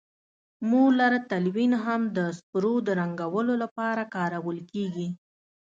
مولر تلوین هم د سپور د رنګولو لپاره کارول کیږي.